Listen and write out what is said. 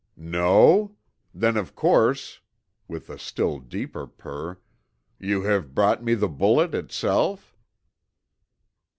"'No? Then, of course,' with a still deeper purr, 'you have brought me the bullet itself?'